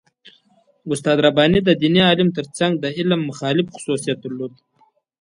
استاد رباني د دیني عالم تر څنګ د علم مخالف خصوصیت درلود.